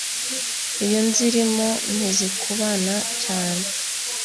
Iyo nzirimo ntizikubana cyane